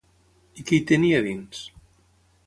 I què hi tenia a dins?